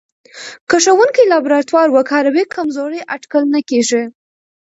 که ښوونکی لابراتوار وکاروي، کمزوری اټکل نه کېږي.